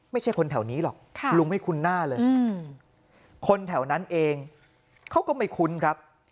ไม่ใช่คนแถวนี้หรอกลุงไม่คุ้นหน้าเลยคนแถวนั้นเองเขาก็ไม่คุ้นครับ